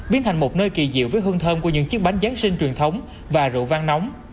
biến thành một nơi kỳ diệu với hương thơm của những chiếc bánh giáng sinh truyền thống và rượu vang nóng